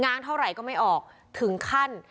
้างเท่าไหร่ก็ไม่ออกถึงขั้น